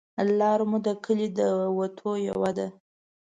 لار مو د کلي د وتو یوه ده